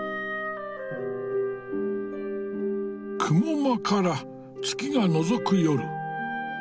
雲間から月がのぞく夜。